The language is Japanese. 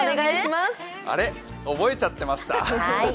あれっ？覚えちゃってました？